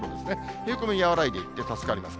冷え込み和らいでいって助かります。